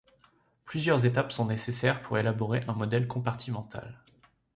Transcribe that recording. Plusieurs étapes sont nécessaires pour élaborer un modèle compartimental.